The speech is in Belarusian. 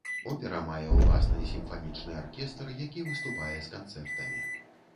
Опера мае ўласны сімфанічны аркестр, які выступае з канцэртамі.